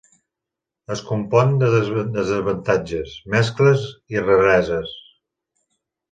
Es compon de desavantatges, mescles i rareses.